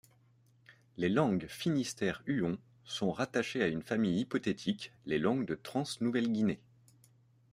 Les langues finisterre-huon sont rattachées à une famille hypothétique, les langues de Trans-Nouvelle-Guinée.